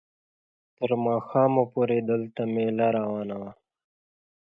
تر ماښامه پورې دلته مېله روانه وه.